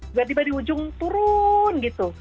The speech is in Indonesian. tiba tiba di ujung turun gitu